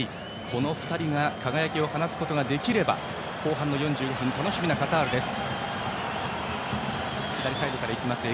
この２人が輝きを放つことができれば後半の４５分楽しみなカタールです。